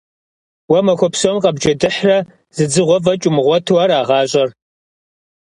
Уэ махуэ псом къэбджэдыхьрэ зы дзыгъуэ фӀэкӀ умыгъуэту, ара гъащӀэр?